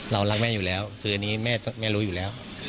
รักแม่อยู่แล้วคืออันนี้แม่รู้อยู่แล้ว